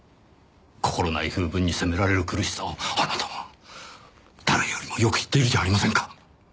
心ない風聞に責められる苦しさをあなたは誰よりもよく知っているじゃありませんか。